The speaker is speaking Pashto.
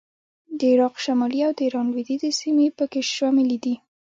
د عراق شمالي او د ایران لوېدیځې سیمې په کې شاملې دي